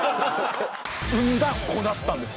産んだ子だったんですよ。